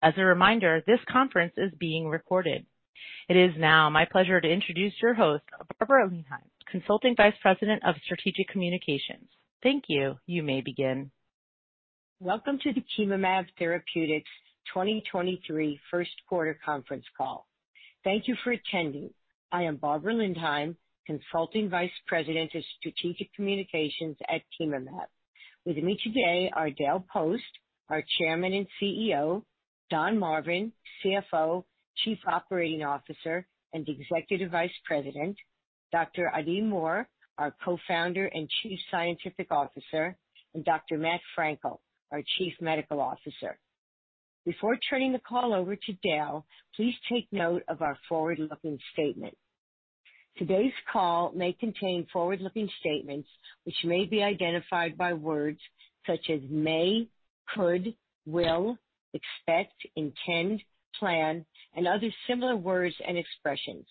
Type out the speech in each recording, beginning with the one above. As a reminder, this conference is being recorded. It is now my pleasure to introduce your host, Barbara Lindheim, Consulting Vice President of Strategic Communications. Thank you. You may begin. Welcome to the Chemomab Therapeutics 2023 first quarter conference call. Thank you for attending. I am Barbara Lindheim, Consulting Vice President of Strategic Communications at Chemomab. With me today are Dale Pfost, our Chairman and CEO, Donald Marvin, CFO, Chief Operating Officer, and Executive Vice President, Dr. Adi Mor, our Co-founder and Chief Scientific Officer, and Dr. Matthew Frankel, our Chief Medical Officer. Before turning the call over to Dale, please take note of our forward-looking statement. Today's call may contain forward-looking statements, which may be identified by words such as may, could, will, expect, intend, plan, and other similar words and expressions.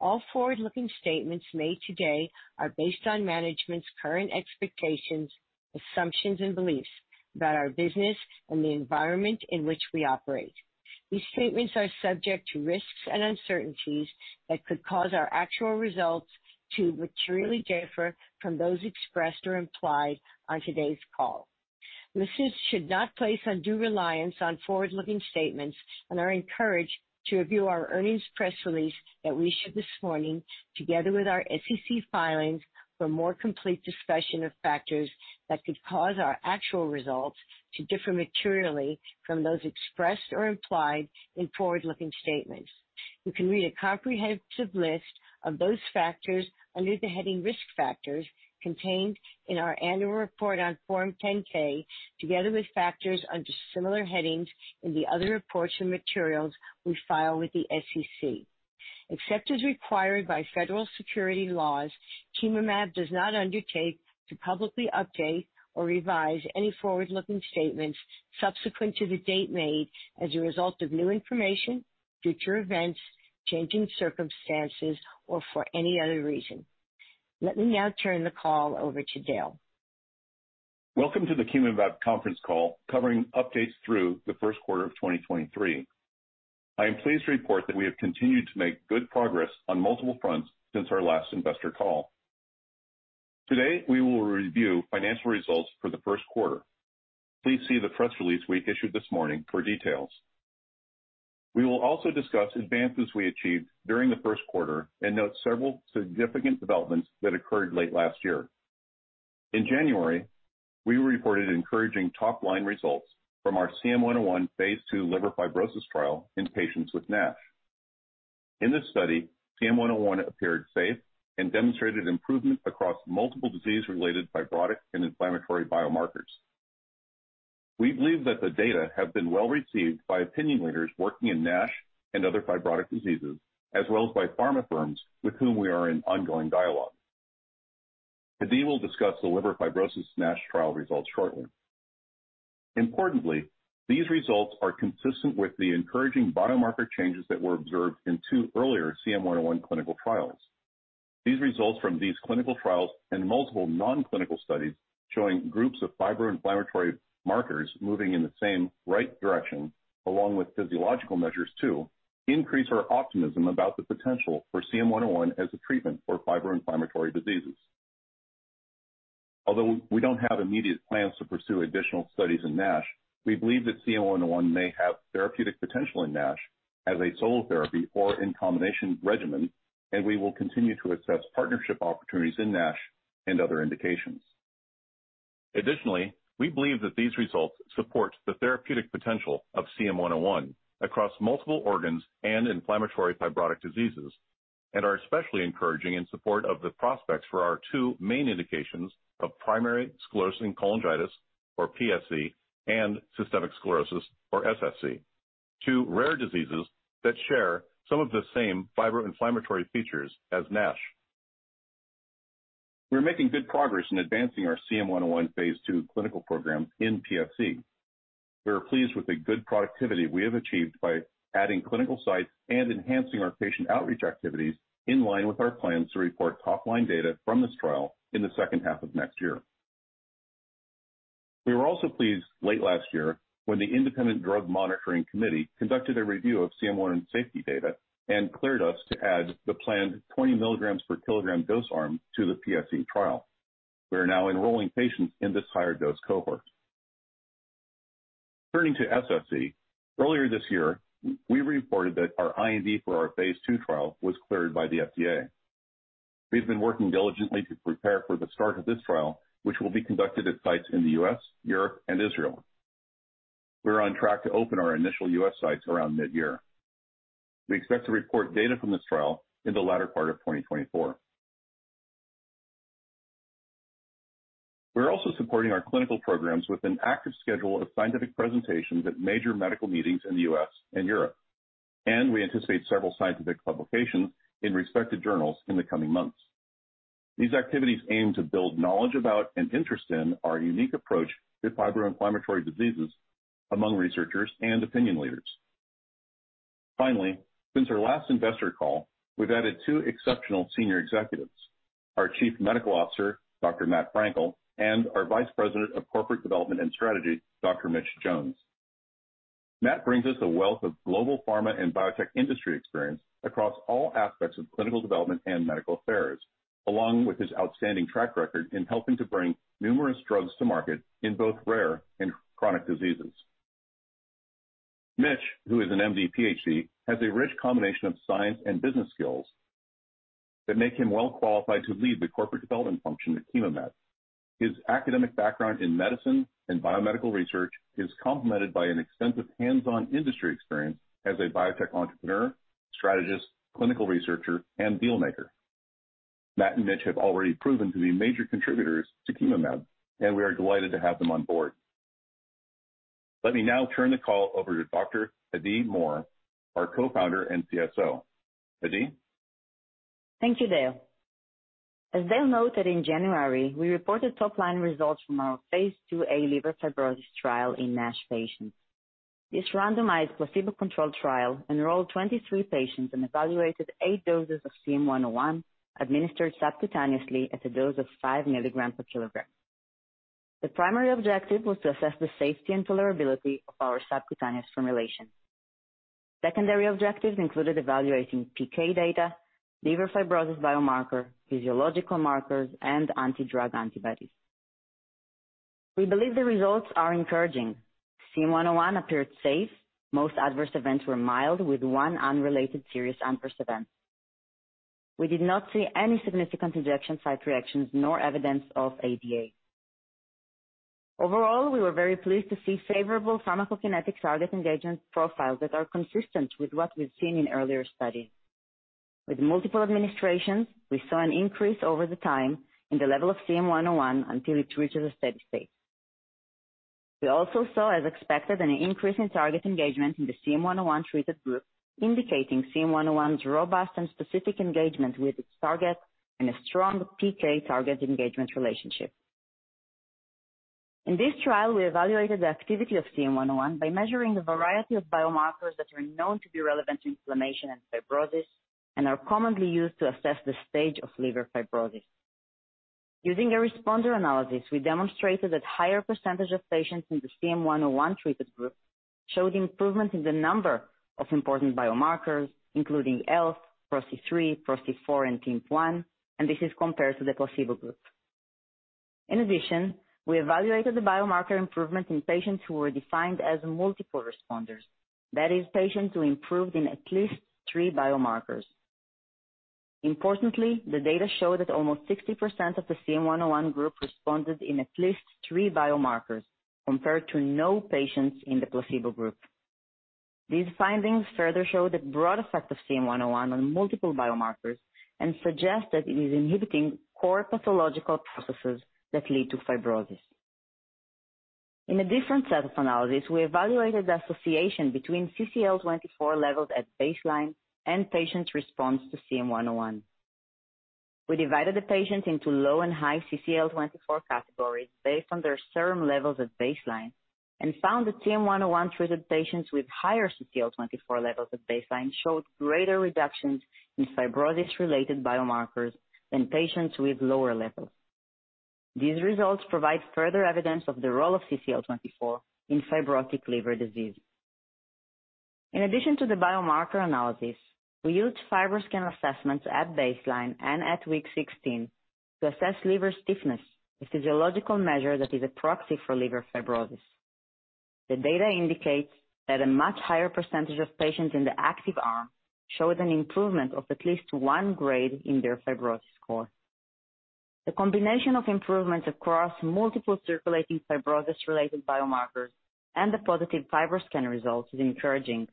All forward-looking statements made today are based on management's current expectations, assumptions, and beliefs about our business and the environment in which we operate. These statements are subject to risks and uncertainties that could cause our actual results to materially differ from those expressed or implied on today's call. Listeners should not place undue reliance on forward-looking statements and are encouraged to review our earnings press release that we issued this morning together with our SEC filings for a more complete discussion of factors that could cause our actual results to differ materially from those expressed or implied in forward-looking statements. You can read a comprehensive list of those factors under the heading Risk Factors contained in our annual report on Form 10-K, together with factors under similar headings in the other reports and materials we file with the SEC. Except as required by federal securities laws, Chemomab does not undertake to publicly update or revise any forward-looking statements subsequent to the date made as a result of new information, future events, changing circumstances, or for any other reason. Let me now turn the call over to Dale. Welcome to the Chemomab Therapeutics conference call covering updates through the first quarter of 2023. I am pleased to report that we have continued to make good progress on multiple fronts since our last investor call. Today, we will review financial results for the first quarter. Please see the press release we issued this morning for details. We will also discuss advances we achieved during the first quarter and note several significant developments that occurred late last year. In January, we reported encouraging top-line results from our CM-101 phase II liver fibrosis trial in patients with NASH. In this study, CM-101 appeared safe and demonstrated improvement across multiple disease-related fibrotic and inflammatory biomarkers. We believe that the data have been well received by opinion leaders working in NASH and other fibrotic diseases, as well as by pharma firms with whom we are in ongoing dialogue. Adi will discuss the liver fibrosis NASH trial results shortly. Importantly, these results are consistent with the encouraging biomarker changes that were observed in two earlier CM-101 clinical trials. These results from these clinical trials and multiple non-clinical studies showing groups of fibro-inflammatory markers moving in the same right direction, along with physiological measures too, increase our optimism about the potential for CM-101 as a treatment for fibro-inflammatory diseases. Although we don't have immediate plans to pursue additional studies in NASH, we believe that CM-101 may have therapeutic potential in NASH as a solo therapy or in combination regimen, and we will continue to assess partnership opportunities in NASH and other indications. Additionally, we believe that these results support the therapeutic potential of CM-101 across multiple organs and inflammatory fibrotic diseases, and are especially encouraging in support of the prospects for our two main indications of primary sclerosing cholangitis, or PSC, and systemic sclerosis or SSC, two rare diseases that share some of the same fibroinflammatory features as NASH. We're making good progress in advancing our CM-101 phase II clinical program in PSC. We are pleased with the good productivity we have achieved by adding clinical sites and enhancing our patient outreach activities in line with our plans to report top-line data from this trial in the second half of next year. We were also pleased late last year when the independent Data Monitoring Committee conducted a review of CM-101 safety data and cleared us to add the planned 20 mg/kg dose arm to the PSC trial. We are now enrolling patients in this higher dose cohort. Turning to SSC, earlier this year, we reported that our IND for our phase II trial was cleared by the FDA. We've been working diligently to prepare for the start of this trial, which will be conducted at sites in the U.S., Europe, and Israel. We're on track to open our initial U.S. sites around mid-year. We expect to report data from this trial in the latter part of 2024. We're also supporting our clinical programs with an active schedule of scientific presentations at major medical meetings in the U.S. and Europe. We anticipate several scientific publications in respected journals in the coming months. These activities aim to build knowledge about and interest in our unique approach to fibro-inflammatory diseases among researchers and opinion leaders. Finally, since our last investor call, we've added two exceptional senior executives. Our Chief Medical Officer, Dr. Matthew Frankel, and our Vice President of Corporate Development and Strategy, Dr. Mitch Jones. Matt brings us a wealth of global pharma and biotech industry experience across all aspects of clinical development and medical affairs, along with his outstanding track record in helping to bring numerous drugs to market in both rare and chronic diseases. Mitch, who is an MD PhD, has a rich combination of science and business skills that make him well qualified to lead the corporate development function at Chemomab. His academic background in medicine and biomedical research is complemented by an extensive hands-on industry experience as a biotech entrepreneur, strategist, clinical researcher, and deal maker. Matt and Mitch have already proven to be major contributors to Chemomab. We are delighted to have them on board. Let me now turn the call over to Dr. Adi Mor, our Co-founder and CSO. Adi. Thank you, Dale. As Dale noted, in January, we reported top-line results from our phase II-A liver fibrosis trial in NASH patients. This randomized placebo-controlled trial enrolled 23 patients and evaluated eight doses of CM-101 administered subcutaneously at a dose of 5 mg/kg. The primary objective was to assess the safety and tolerability of our subcutaneous formulation. Secondary objectives included evaluating PK data, liver fibrosis biomarker, physiological markers, and anti-drug antibodies. We believe the results are encouraging. CM-101 appeared safe. Most adverse events were mild, with one unrelated serious adverse event. We did not see any significant injection site reactions nor evidence of ADA. We were very pleased to see favorable pharmacokinetics target engagement profiles that are consistent with what we've seen in earlier studies. With multiple administrations, we saw an increase over the time in the level of CM-101 until it reaches a steady state. We also saw, as expected, an increase in target engagement in the CM-101 treated group, indicating CM-101's robust and specific engagement with its target and a strong PK target engagement relationship. In this trial, we evaluated the activity of CM-101 by measuring the variety of biomarkers that are known to be relevant to inflammation and fibrosis and are commonly used to assess the stage of liver fibrosis. Using a responder analysis, we demonstrated that higher percentage of patients in the CM-101 treated group showed improvement in the number of important biomarkers, including ELF, PRO-C3, PRO-C4, and TIMP-1, and this is compared to the placebo group. In addition, we evaluated the biomarker improvement in patients who were defined as multiple responders, that is, patients who improved in at least three biomarkers. Importantly, the data show that almost 60% of the CM-101 group responded in at least three biomarkers compared to no patients in the placebo group. These findings further show the broad effect of CM-101 on multiple biomarkers and suggest that it is inhibiting core pathological processes that lead to fibrosis. In a different set of analysis, we evaluated the association between CCL24 levels at baseline and patients' response to CM-101. We divided the patients into low and high CCL24 categories based on their serum levels at baseline and found that CM-101 treated patients with higher CCL24 levels at baseline showed greater reductions in fibrosis-related biomarkers than patients with lower levels. These results provide further evidence of the role of CCL24 in fibrotic liver disease. In addition to the biomarker analysis, we used FibroScan assessments at baseline and at week 16 to assess liver stiffness, a physiological measure that is a proxy for liver fibrosis. The data indicates that a much higher percentage of patients in the active arm showed an improvement of at least one grade in their fibrosis score. The combination of improvements across multiple circulating fibrosis-related biomarkers and the positive FibroScan results is encouraging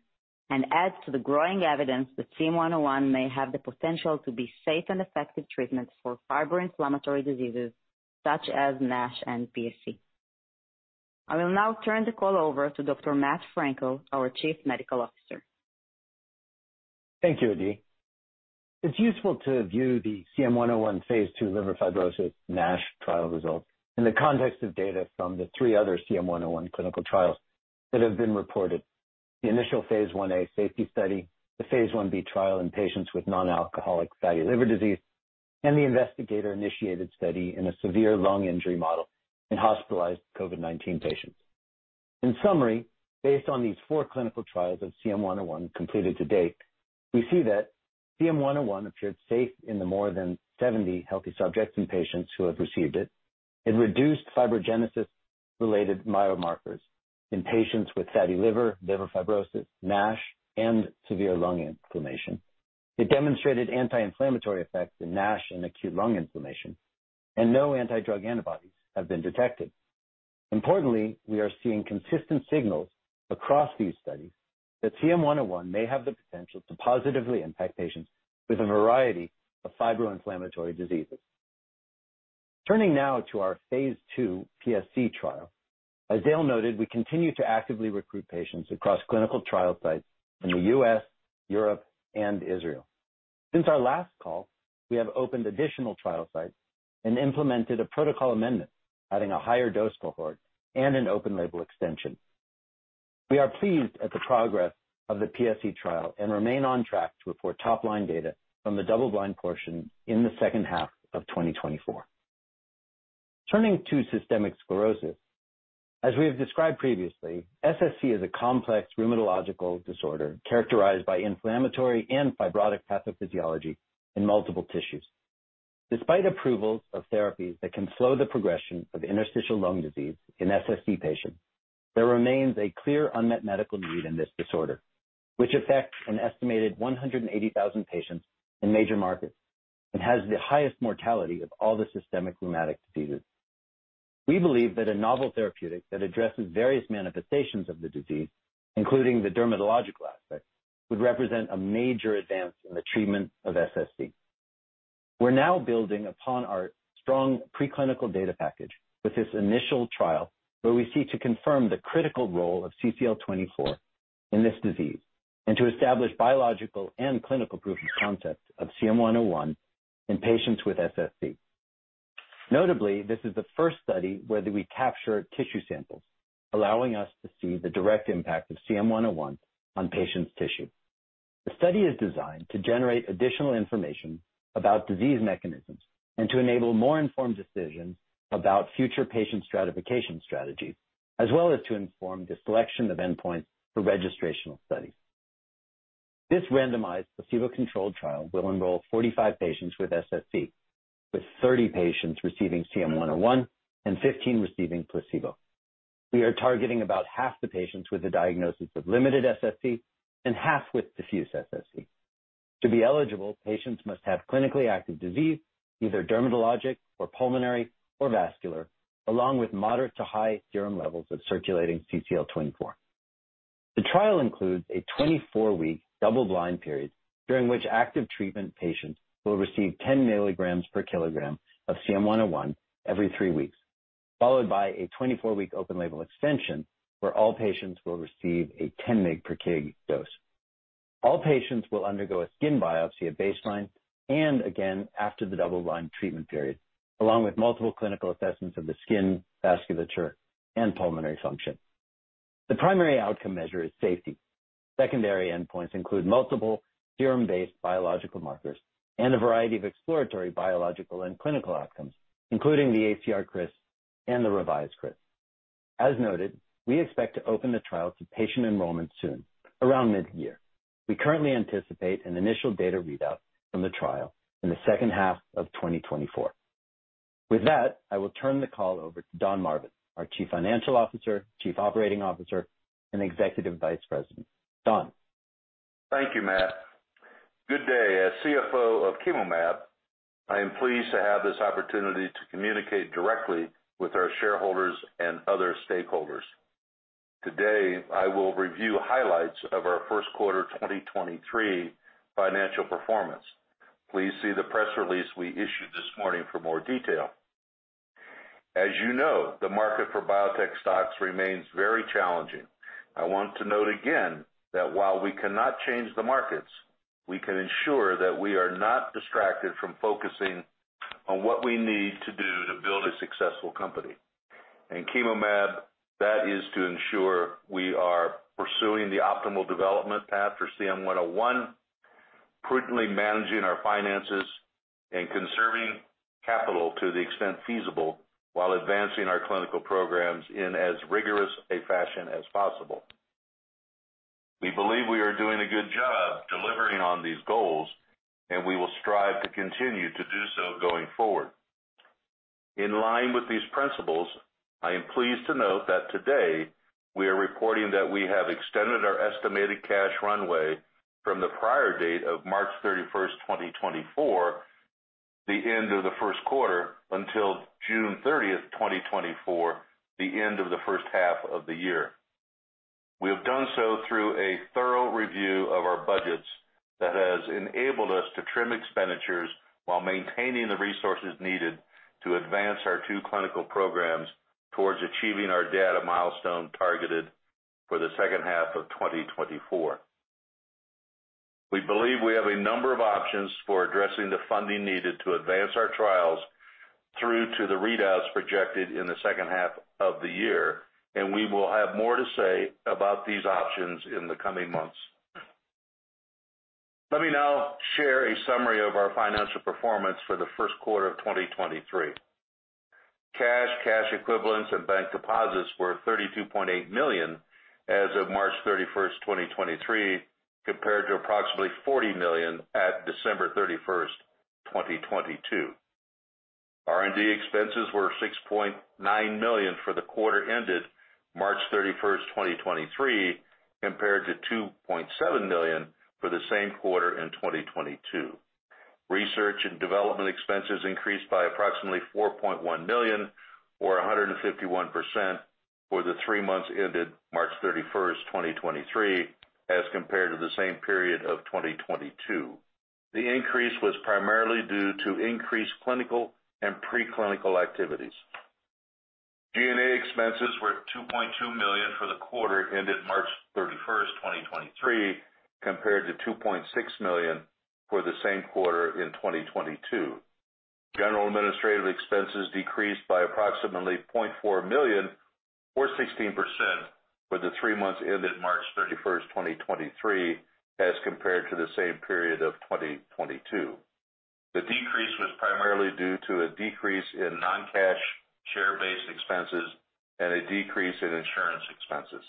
and adds to the growing evidence that CM-101 may have the potential to be safe and effective treatment for fibroinflammatory diseases such as NASH and PSC. I will now turn the call over to Dr. Matthew Frankel, our Chief Medical Officer. Thank you, Adi. It's useful to view the CM-101 phase II liver fibrosis NASH trial results in the context of data from the three other CM-101 clinical trials that have been reported. The initial phase I-A safety study, the phase I-B trial in patients with non-alcoholic fatty liver disease, and the investigator-initiated study in a severe lung injury model in hospitalized COVID-19 patients. In summary, based on these four clinical trials of CM-101 completed to date, we see that CM-101 appeared safe in the more than 70 healthy subjects and patients who have received it. It reduced fibrogenesis-related biomarkers in patients with fatty liver fibrosis, NASH, and severe lung inflammation. It demonstrated anti-inflammatory effects in NASH and acute lung inflammation. No anti-drug antibodies have been detected. Importantly, we are seeing consistent signals across these studies that CM-101 may have the potential to positively impact patients with a variety of fibro-inflammatory diseases. Turning now to our phase II PSC trial. As Dale noted, we continue to actively recruit patients across clinical trial sites in the U.S., Europe, and Israel. Since our last call, we have opened additional trial sites and implemented a protocol amendment, adding a higher dose cohort and an open label extension. We are pleased at the progress of the PSC trial and remain on track to report top-line data from the double-blind portion in the second half of 2024. Turning to systemic sclerosis. As we have described previously, SSC is a complex rheumatological disorder characterized by inflammatory and fibrotic pathophysiology in multiple tissues. Despite approvals of therapies that can slow the progression of interstitial lung disease in SSC patients, there remains a clear unmet medical need in this disorder, which affects an estimated 180,000 patients in major markets and has the highest mortality of all the systemic rheumatic diseases. We believe that a novel therapeutic that addresses various manifestations of the disease, including the dermatological aspect, would represent a major advance in the treatment of SSC. We're now building upon our strong preclinical data package with this initial trial, where we seek to confirm the critical role of CCL24 in this disease and to establish biological and clinical proof of concept of CM-101 in patients with SSC. Notably, this is the first study where we capture tissue samples, allowing us to see the direct impact of CM-101 on patients' tissue. The study is designed to generate additional information about disease mechanisms and to enable more informed decisions about future patient stratification strategies, as well as to inform the selection of endpoints for registrational studies. This randomized placebo-controlled trial will enroll 45 patients with SSC, with 30 patients receiving CM-101 and 15 receiving placebo. We are targeting about half the patients with a diagnosis of limited SSC and half with diffuse SSC. To be eligible, patients must have clinically active disease, either dermatologic or pulmonary or vascular, along with moderate to high serum levels of circulating CCL24. The trial includes a 24-week double-blind period during which active treatment patients will receive 10 mg/kg of CM-101 every three weeks, followed by a 24-week open label extension where all patients will receive a 10 mg/kg dose. All patients will undergo a skin biopsy at baseline and again after the double-blind treatment period, along with multiple clinical assessments of the skin vasculature and pulmonary function. The primary outcome measure is safety. Secondary endpoints include multiple serum-based biological markers and a variety of exploratory biological and clinical outcomes, including the ACR CRISS and the revised CRISS. As noted, we expect to open the trial to patient enrollment soon, around mid-year. We currently anticipate an initial data readout from the trial in the second half of 2024. With that, I will turn the call over to Don Marvin, our Chief Financial Officer, Chief Operating Officer, and Executive Vice President. Don. Thank you, Matt. Good day. As CFO of Chemomab, I am pleased to have this opportunity to communicate directly with our shareholders and other stakeholders. Today, I will review highlights of our first quarter 2023 financial performance. Please see the press release we issued this morning for more detail. As you know, the market for biotech stocks remains very challenging. I want to note again that while we cannot change the markets, we can ensure that we are not distracted from focusing on what we need to do to build a successful company. In Chemomab, that is to ensure we are pursuing the optimal development path for CM-101, prudently managing our finances, and conserving capital to the extent feasible while advancing our clinical programs in as rigorous a fashion as possible. We believe we are doing a good job delivering on these goals, and we will strive to continue to do so going forward. In line with these principles, I am pleased to note that today we are reporting that we have extended our estimated cash runway from the prior date of March 31, 2024, the end of the first quarter, until June 30, 2024, the end of the first half of the year. We have done so through a thorough review of our budgets that has enabled us to trim expenditures while maintaining the resources needed to advance our two clinical programs towards achieving our data milestone targeted for the second half of 2024. We believe we have a number of options for addressing the funding needed to advance our trials through to the readouts projected in the second half of the year. We will have more to say about these options in the coming months. Let me now share a summary of our financial performance for the first quarter of 2023. Cash, cash equivalents, and bank deposits were $32.8 million as of March 31, 2023, compared to approximately $40 million at December 31, 2022. R&D expenses were $6.9 million for the quarter ended March 31, 2023, compared to $2.7 million for the same quarter in 2022. Research and development expenses increased by approximately $4.1 million or 151% for the three months ended March 31, 2023, as compared to the same period of 2022. The increase was primarily due to increased clinical and preclinical activities. G&A expenses were $2.2 million for the quarter ended March 31, 2023, compared to $2.6 million for the same quarter in 2022. General administrative expenses decreased by approximately $0.4 million, or 16%, for the three months ended March 31, 2023, as compared to the same period of 2022. The decrease was primarily due to a decrease in non-cash share-based expenses and a decrease in insurance expenses.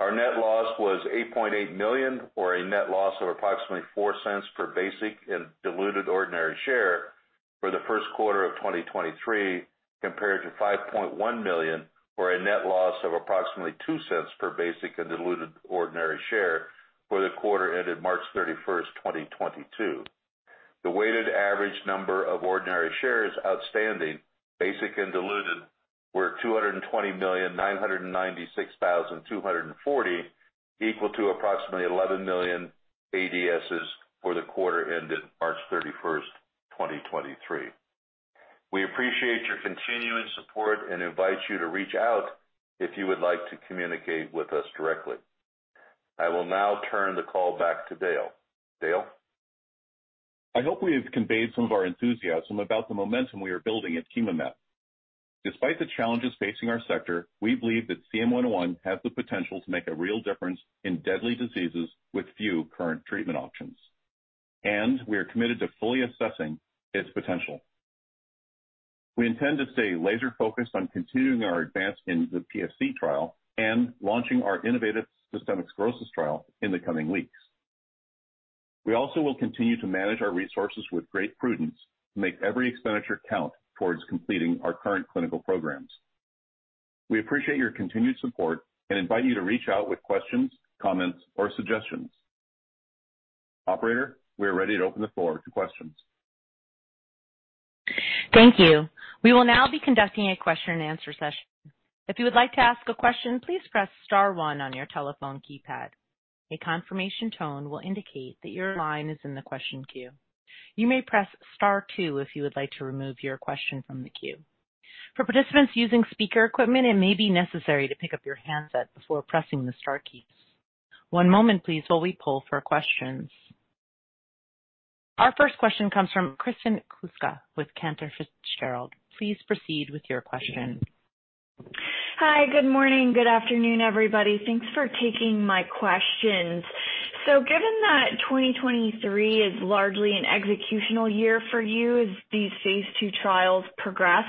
Our net loss was $8.8 million, or a net loss of approximately $0.04 per basic and diluted ordinary share for the first quarter of 2023, compared to $5.1 million, or a net loss of approximately $0.02 per basic and diluted ordinary share for the quarter ended March 31, 2022. The weighted average number of ordinary shares outstanding, basic and diluted, were 220,996,240, equal to approximately 11 million ADSs for the quarter ended March 31st, 2023. We appreciate your continuing support and invite you to reach out if you would like to communicate with us directly. I will now turn the call back to Dale. Dale? I hope we have conveyed some of our enthusiasm about the momentum we are building at Chemomab. Despite the challenges facing our sector, we believe that CM-101 has the potential to make a real difference in deadly diseases with few current treatment options. We are committed to fully assessing its potential. We intend to stay laser focused on continuing our advance in the PSC trial and launching our innovative Systemic Sclerosis trial in the coming weeks. We also will continue to manage our resources with great prudence to make every expenditure count towards completing our current clinical programs. We appreciate your continued support and invite you to reach out with questions, comments, or suggestions. Operator, we are ready to open the floor to questions. Thank you. We will now be conducting a question and answer session. If you would like to ask a question, please press star one on your telephone keypad. A confirmation tone will indicate that your line is in the question queue. You may press star two if you would like to remove your question from the queue. For participants using speaker equipment, it may be necessary to pick up your handset before pressing the star keys. One moment please while we poll for questions. Our first question comes from Kristen Kluska with Cantor Fitzgerald. Please proceed with your question. Hi. Good morning. Good afternoon, everybody. Thanks for taking my questions. Given that 2023 is largely an executional year for you as these phase II trials progress,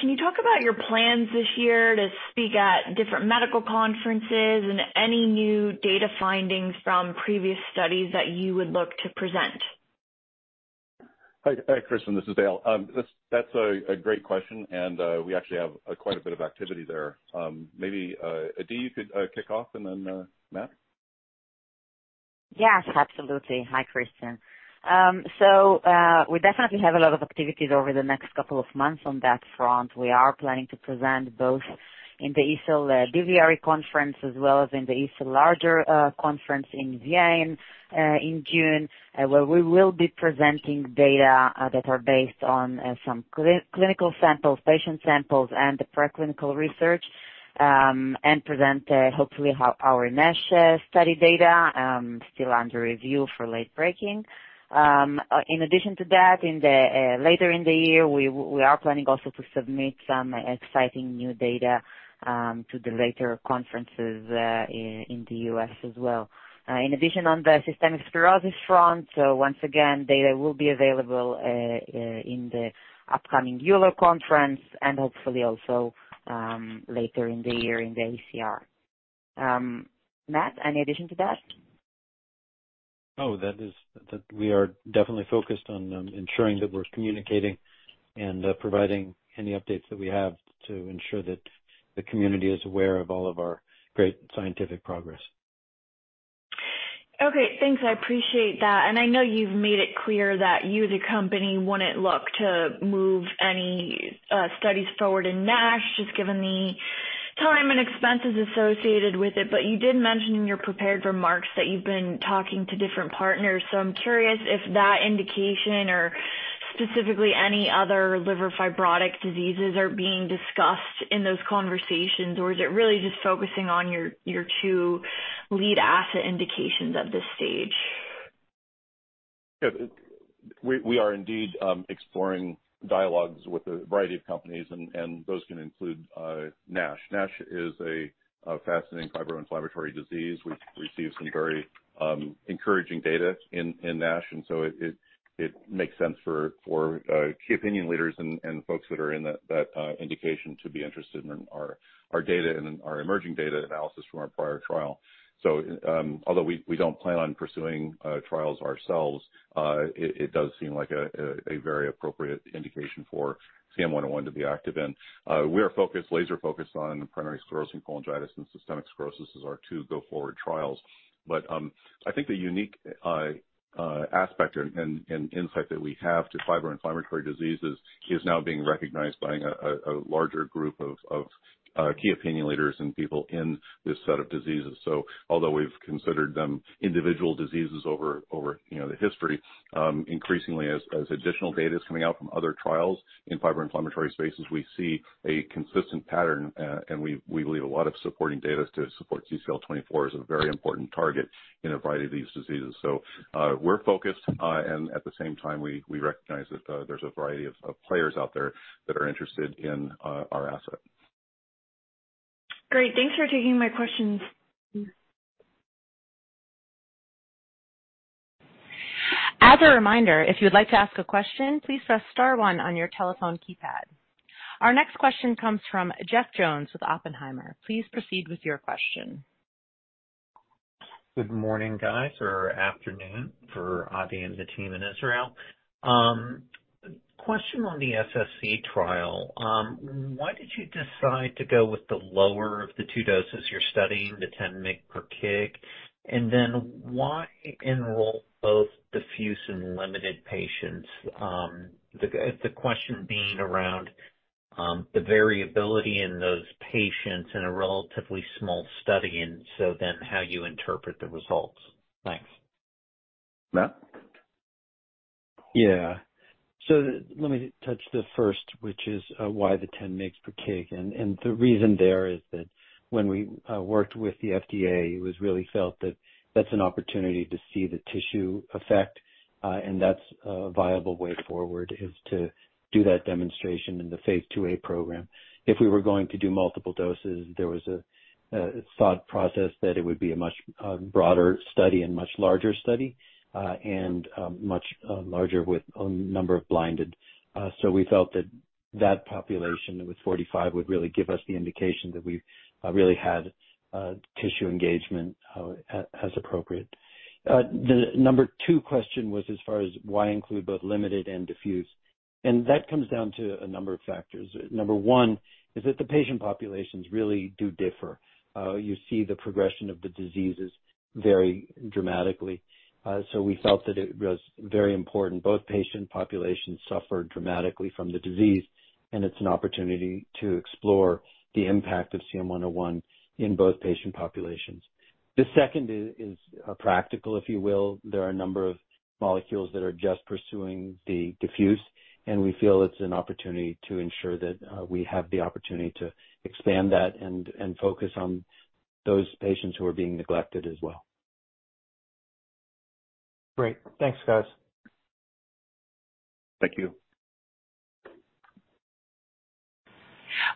can you talk about your plans this year to speak at different medical conferences and any new data findings from previous studies that you would look to present? Hi, Kristen. This is Dale. That's a great question. We actually have quite a bit of activity there. Maybe Adi, you could kick off and then Matt? Yes, absolutely. Hi, Kristen. We definitely have a lot of activities over the next couple of months on that front. We are planning to present both in the EASL DVR conference as well as in the EASL larger conference in Vienna in June, where we will be presenting data that are based on some clinical samples, patient samples, and the preclinical research, and present hopefully our NASH study data still under review for late-breaking. In addition to that, later in the year, we are planning also to submit some exciting new data to the later conferences in the U.S. as well. In addition on the systemic sclerosis front, once again, data will be available in the upcoming EULAR conference and hopefully also, later in the year in the ACR. Matt, any addition to that? We are definitely focused on ensuring that we're communicating and providing any updates that we have to ensure that the community is aware of all of our great scientific progress. Okay, thanks. I appreciate that. I know you've made it clear that you, the company, wouldn't look to move any studies forward in NASH, just given the time and expenses associated with it. You did mention in your prepared remarks that you've been talking to different partners. I'm curious if that indication or specifically any other liver fibrotic diseases are being discussed in those conversations, or is it really just focusing on your two lead asset indications at this stage? Yeah. We are indeed exploring dialogues with a variety of companies, and those can include NASH. NASH is a fascinating fibroinflammatory disease. We've received some very encouraging data in NASH, and so it makes sense for key opinion leaders and folks that are in that indication to be interested in our data and our emerging data analysis from our prior trial. Although we don't plan on pursuing trials ourselves, it does seem like a very appropriate indication for CM-101 to be active in. We are focused, laser focused on primary sclerosing cholangitis and systemic sclerosis as our two go-forward trials. I think the unique aspect and insight that we have to fibro-inflammatory diseases is now being recognized by a larger group of key opinion leaders and people in this set of diseases. Although we've considered them individual diseases over, you know, the history, increasingly as additional data is coming out from other trials in fibro-inflammatory spaces, we see a consistent pattern, and we believe a lot of supporting data to support CCL24 as a very important target in a variety of these diseases. We're focused, and at the same time, we recognize that there's a variety of players out there that are interested in our asset. Great. Thanks for taking my questions. As a reminder, if you would like to ask a question, please press star one on your telephone keypad. Our next question comes from Jeff Jones with Oppenheimer. Please proceed with your question. Good morning, guys, or afternoon for Avi and the team in Israel. question on the SSC trial. why did you decide to go with the lower of the two doses you're studying, the 10 mg/kg? Why enroll both diffuse and limited patients? the question being around, the variability in those patients in a relatively small study, how you interpret the results. Thanks. Matt? Let me touch the first, which is why the 10 mg/kg. The reason there is that when we worked with the FDA, it was really felt that that's an opportunity to see the tissue effect, and that's a viable way forward, is to do that demonstration in the phase II-A program. If we were going to do multiple doses, there was a thought process that it would be a much broader study and much larger study, and much larger with a number of blinded. We felt that that population with 45 would really give us the indication that we really had tissue engagement, as appropriate. The number two question was as far as why include both limited and diffuse, that comes down to a number of factors. Number one is that the patient populations really do differ. you see the progression of the diseases very dramatically. We felt that it was very important both patient populations suffered dramatically from the disease, and it's an opportunity to explore the impact of CM-101 in both patient populations. The second is, practical, if you will. There are a number of molecules that are just pursuing the diffuse, and we feel it's an opportunity to ensure that, we have the opportunity to expand that and focus on those patients who are being neglected as well. Great. Thanks, guys. Thank you.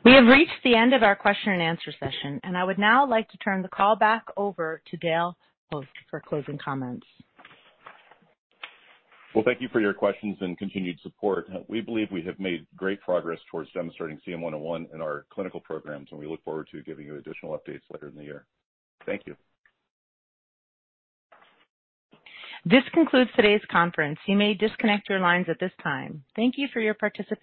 We have reached the end of our question and answer session. I would now like to turn the call back over to Dale Pfost for closing comments. Well, thank you for your questions and continued support. We believe we have made great progress towards demonstrating CM-101 in our clinical programs, and we look forward to giving you additional updates later in the year. Thank you. This concludes today's conference. You may disconnect your lines at this time. Thank you for your participation.